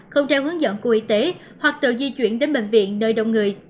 không theo hướng dẫn của y tế hoặc tự di chuyển đến bệnh viện nơi đông người